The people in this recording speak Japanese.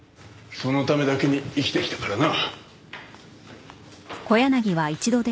そのためだけに生きてきたからな。